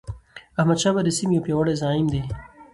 احمدشاه بابا د سیمې یو پیاوړی زعیم و.